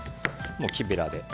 木べらで。